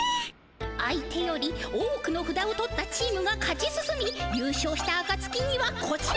相手より多くのふだを取ったチームが勝ち進みゆう勝したあかつきにはこちら！